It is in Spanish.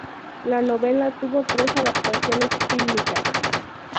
La novela tuvo tres adaptaciones fílmicas.